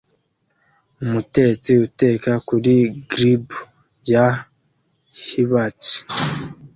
Umutetsi uteka kuri grib ya hibachi